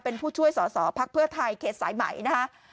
เป็นผู้ช่วยสอสอพักเพื่อไทยเขตสายใหม่นะคะ